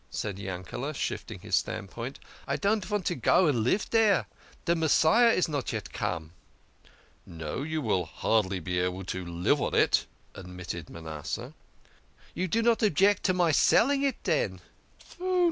said Yankele, shifting his standpoint. " I don't vant to go and live dere. De Messiah is not yet come." "No, you will hardly be able to live on it," admitted Manasseh. " You do not object to my selling it, den?